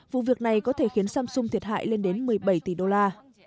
vụ việc này có thể khiến samsung thiệt hại lên đến một mươi bảy tỷ đô la